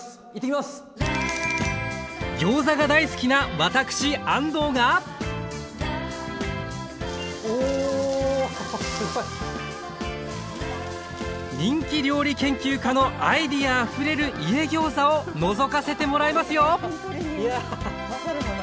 ギョーザが大好きな私安藤がおすごい！人気料理研究家のアイデアあふれる「家ギョーザ」をのぞかせてもらいますよ！